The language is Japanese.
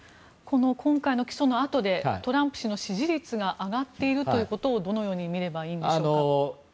今回の起訴のあとでトランプ氏の支持率が上がっているということをどのように見ればいいのでしょうか。